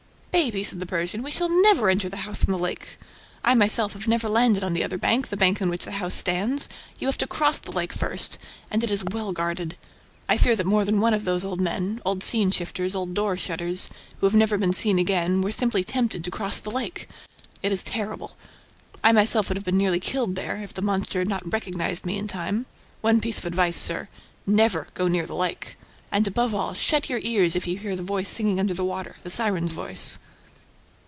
"Baby!" said the Persian. "We shall never enter the house on the lake by the lake! ... I myself have never landed on the other bank ... the bank on which the house stands. ... You have to cross the lake first ... and it is well guarded! ... I fear that more than one of those men old scene shifters, old door shutters who have never been seen again were simply tempted to cross the lake ... It is terrible ... I myself would have been nearly killed there ... if the monster had not recognized me in time! ... One piece of advice, sir; never go near the lake... And, above all, shut your ears if you hear the voice singing under the water, the siren's voice!"